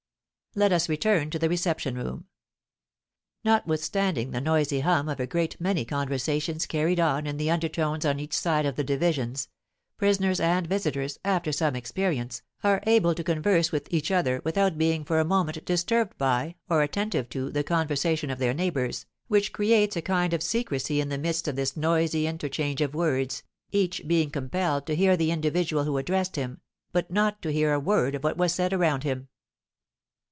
Let us return to the reception room. Notwithstanding the noisy hum of a great many conversations carried on in undertones on each side of the divisions, prisoners and visitors, after some experience, are able to converse with each other without being for a moment disturbed by, or attentive to, the conversation of their neighbours, which creates a kind of secrecy in the midst of this noisy interchange of words, each being compelled to hear the individual who addressed him, but not to hear a word of what was said around him.